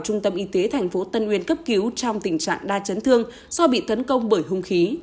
trung tâm y tế tp tân uyên cấp cứu trong tình trạng đa chấn thương do bị tấn công bởi hung khí